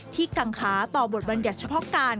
กังขาต่อบทบัญญัติเฉพาะการ